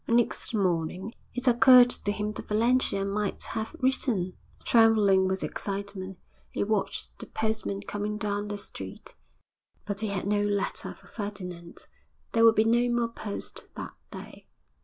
Next morning it occurred to him that Valentia might have written. Trembling with excitement, he watched the postman coming down the street but he had no letter for Ferdinand. There would be no more post that day.